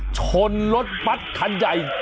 ชนรถบัตรคันใหญ่